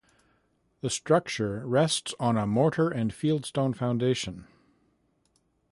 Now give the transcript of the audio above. The structure rests on a mortar and fieldstone foundation.